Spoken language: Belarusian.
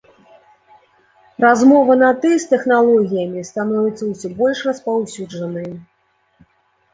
Размова на ты з тэхналогіямі становіцца ўсё больш распаўсюджанай.